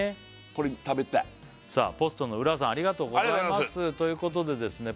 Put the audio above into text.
これ食べたいさあポストの裏さんありがとうございますということでですね